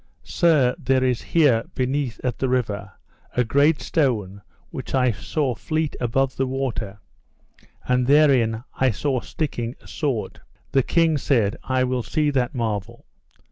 Sir, there is here beneath at the river a great stone which I saw fleet above the water, and therein I saw sticking a sword. The king said: I will see that marvel.